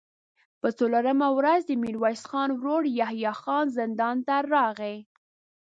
په څلورمه ورځ د ميرويس خان ورو يحيی خان زندان ته راغی.